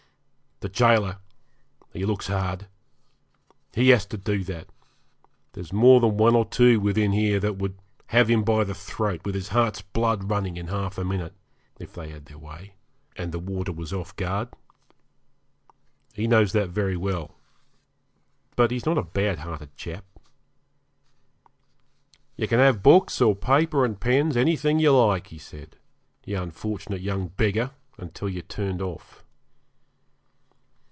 The gaoler he looks hard he has to do that, there's more than one or two within here that would have him by the throat, with his heart's blood running, in half a minute, if they had their way, and the warder was off guard. He knows that very well. But he's not a bad hearted chap. 'You can have books, or paper and pens, anything you like,' he said, 'you unfortunate young beggar, until you're turned off.'